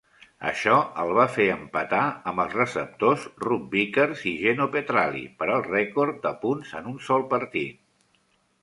Això el va fer empatar amb els receptors Rube Vickers i Geno Petralli per al rècord de punts en un sol partit.